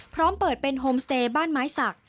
พร้อมเปิดเป็นโฮมสเตย์บ้านไม้สัก